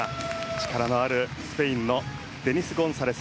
力のあるスペインのデニス・ゴンサレス。